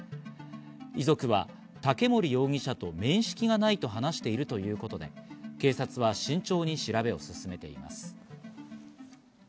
遺族は竹森容疑者と面識がないと話しているということで、警察は慎重に調べを進めています。